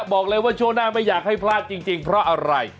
บอกเลยว่าช่วงหน้าไม่อยากให้พลาดจริงเพราะอะไร